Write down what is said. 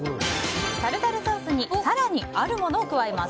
タルタルソースに更にあるものを加えます。